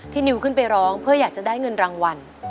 นิวขึ้นไปร้องเพื่ออยากจะได้เงินรางวัล